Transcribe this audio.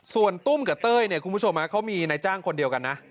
ส่วนตุ้มกับเต้ยเนี่ยคุณผู้ชมเขามีนายจ้างคนเดียวกันนะ